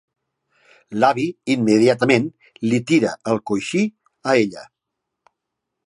L'avi immediatament li tira el coixí a ella.